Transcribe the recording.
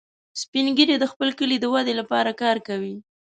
سپین ږیری د خپل کلي د ودې لپاره کار کوي